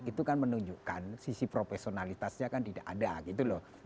itu kan menunjukkan sisi profesionalitasnya kan tidak ada gitu loh